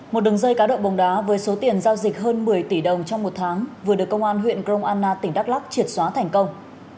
một đường dây cá độ bóng đá với số tiền giao dịch hơn một mươi tỷ đồng trong một tháng vừa được công an huyện grong anna tỉnh đắk lắc triệt xóa thành công